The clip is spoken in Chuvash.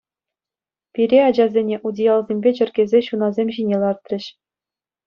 Пире, ачасене, утиялсемпе чӗркесе ҫунасем ҫине лартрӗҫ.